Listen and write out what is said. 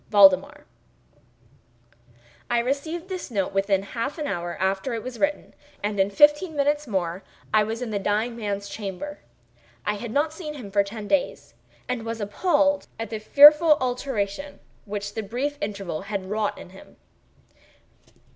VALDEMAR I received this note within half an hour after it was written, and in fifteen minutes more I was in the dying man's chamber. I had not seen him for ten days, and was appalled by the fearful alteration which the brief interval had wrought in him.